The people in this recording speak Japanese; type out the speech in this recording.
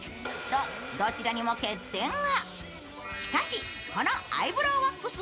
どちらにも欠点が。